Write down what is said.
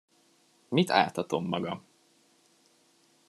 Mit áltatom magam?